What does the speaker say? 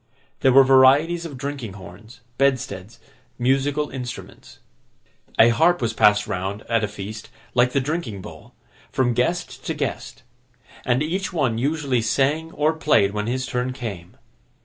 There were varieties of drinking horns, bedsteads, musical instruments. A harp was passed round, at a feast, like the drinking bowl, from guest to guest; and each one usually sang or played when his turn came.